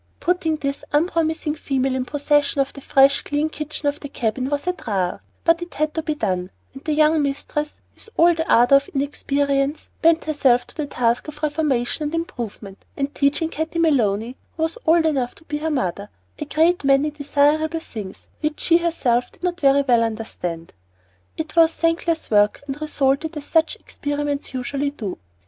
Putting this unpromising female in possession of the fresh, clean kitchen of the cabin was a trial, but it had to be done; and the young mistress, with all the ardor of inexperience, bent herself to the task of reformation and improvement, and teaching Katty Maloney who was old enough to be her mother a great many desirable things which she herself did not very well understand. It was thankless work and resulted as such experiments usually do.